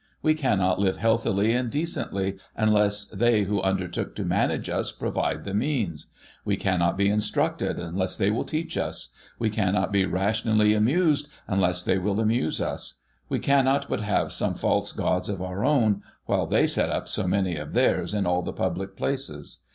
We cannot live healthily and decently, unless they who undertook to manage us provide the means. We cannot be instructed unless they will teach us ; we cannot be rationally amused, unless they will amuse us ; we cannot but have some false gods of our own, while they set up so many of theirs in all the public places.